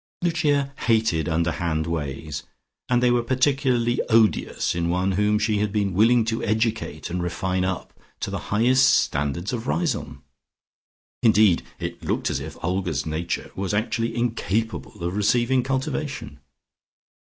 Lucia hated underhand ways, and they were particularly odious in one whom she had been willing to educate and refine up to the highest standards of Riseholme. Indeed it looked as if Olga's nature was actually incapable of receiving cultivation.